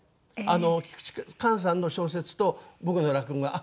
菊池寛さんの小説と僕の落語があっ